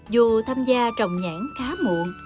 dù tham gia trồng nhãn khá muộn